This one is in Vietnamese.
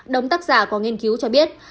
đống tác giả của nghiên cứu cho biết